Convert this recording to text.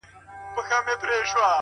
o خپـله گرانـه مړه مي په وجود كي ده ـ